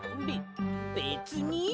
べべつに。